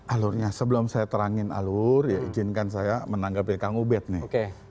alurnya sebelum saya terangin alur ya izinkan saya menanggapi kang ubed nih